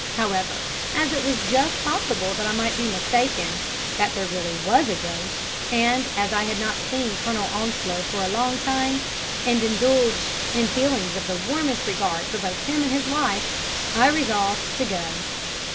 However, as it was just possible that I might be mistaken that there really was a ghost, and as I had not seen Colonel Onslow for a long time, and indulged in feelings of the warmest regard both for him and his wife, I resolved to go.